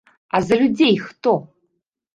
А за людзей хто?!